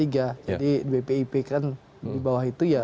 jadi bpip kan di bawah itu ya